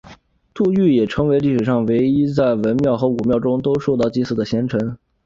杜预也成为历史上唯一在文庙和武庙中都受到祭祀的贤臣。